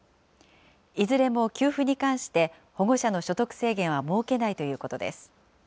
いずれも給付に関して保護者の所得制限は設けないということです。